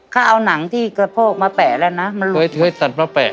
ข้าเอาหนังที่กระโภกมาแปะแล้วน่ะมันลุกเอ้ยสัตว์มาแปะ